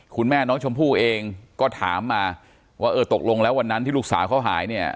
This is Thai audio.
คุณแม่น้องชมพู่เองก็ถามมาว่าเออตกลงแล้ววันนั้นที่ลูกสาวเขาหายเนี่ย